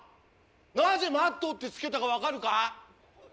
なぜ「Ｍａｔｔ」って付けたか分かるか？